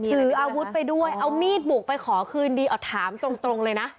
ถืออาวุธไปด้วยเอามีดบุกไปขอคืนดีเอาถามตรงเลยนะ